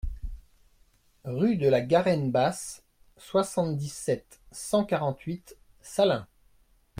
Rue de la Garenne Basse, soixante-dix-sept, cent quarante-huit Salins